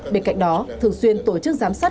bên cạnh đó thường xuyên tổ chức giám sát